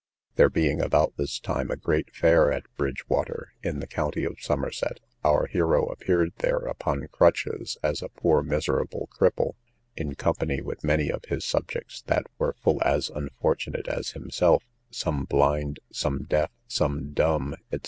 There being about this time a great fair at Bridgewater, in the county of Somerset, our hero appeared there upon crutches as a poor miserable cripple, in company with many of his subjects that were full as unfortunate as himself, some blind, some deaf, some dumb, &c.